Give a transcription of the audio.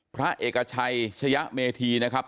พระเอกชัยชะยะเมธีนะครับ